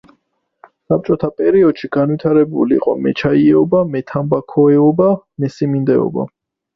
საბჭოთა პერიოდში განვითარებული იყო მეჩაიეობა, მეთამბაქოეობა, მესიმინდეობა.